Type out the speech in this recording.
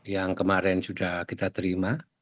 yang kemarin sudah kita terima